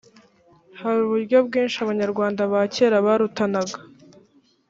hari uburyo bwinshi abanyarwanda ba kera barutanaga .